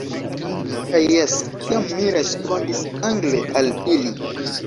Kaj jes, kiam mi respondis angle al ili.